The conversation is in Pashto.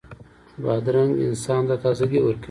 بادرنګ انسان ته تازهګۍ ورکوي.